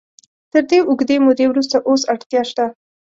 تر دې اوږدې مودې وروسته اوس اړتیا شته.